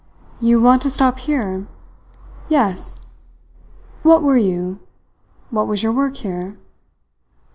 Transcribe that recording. "You want to stop here?" "Yes." "What were you? What was your work here?"